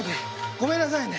ごめんなさいね。